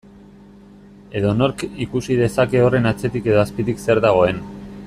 Edonork ikus dezake horren atzetik edo azpitik zer dagoen.